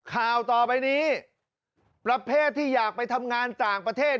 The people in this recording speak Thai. ข่าวต่อไปนี้ประเภทที่อยากไปทำงานต่างประเทศ